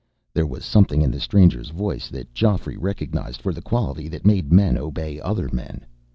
There was something in the stranger's voice that Geoffrey recognized for the quality that made men obey other men.